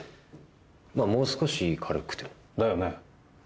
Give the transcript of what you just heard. まあもう少し軽くても。だよね？